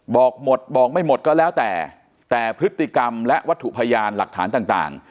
บอกหมดบอกไม่หมดก็แล้วแต่แต่พฤติกรรมและวัตถุพยานหลักฐานต่าง